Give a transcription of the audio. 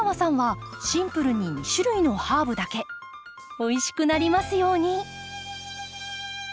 おいしくなりますように。